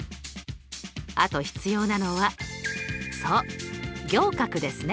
あと必要なのはそう仰角ですね！